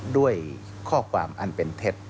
ด้วยข้อความอันเป็นเท็จ